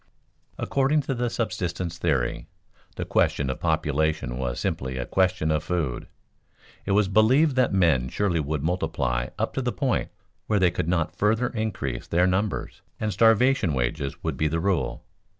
According to the subsistence theory, the question of population was simply a question of food; it was believed that men surely would multiply up to the point where they could not further increase their numbers, and starvation wages would be the rule.